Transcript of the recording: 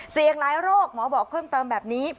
เสียงร้ายโรคหมอบอกเพิ่มเติมแบบนี้